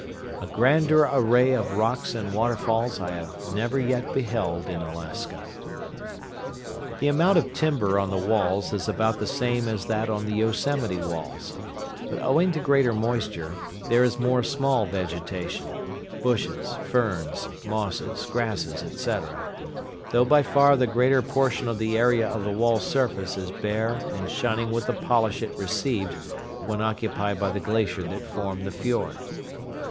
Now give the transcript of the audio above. A grander array of rocks and waterfalls I have never yet beheld in Alaska. The amount of timber on the walls is about the same as that on the Yosemite walls, but owing to greater moisture, there is more small vegetation,—bushes, ferns, mosses, grasses, etc.; though by far the greater portion of the area of the wall surface is bare and shining with the polish it received when occupied by the glacier that formed the fiord.